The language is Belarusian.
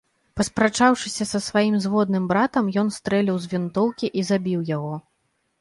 Паспрачаўшыся са сваім зводным братам, ён стрэліў з вінтоўкі і забіў яго.